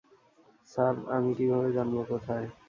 Sir, আমি কিভাবে জানবো কোথায়?